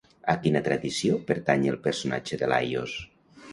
A quina tradició pertany el personatge de Laios?